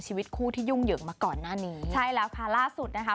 ชีวิตคู่ที่ยุ่งเหยิงมาก่อนหน้านี้ใช่แล้วค่ะล่าสุดนะคะ